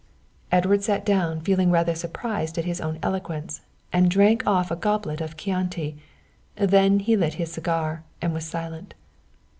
Edward sat down feeling rather surprised at his own eloquence, and drank off a goblet of Chianti. Then he lit a cigar and was silent.